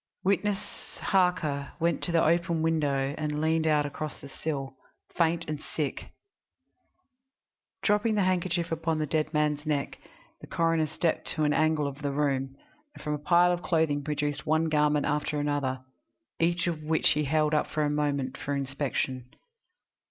Witness Harker went to the open window and leaned out across the sill, faint and sick. Dropping the handkerchief upon the dead man's neck, the coroner stepped to an angle of the room, and from a pile of clothing produced one garment after another, each of which he held up a moment for inspection.